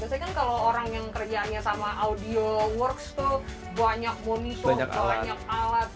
biasanya kan kalau orang yang kerjaannya sama audio works tuh banyak monitor banyak alat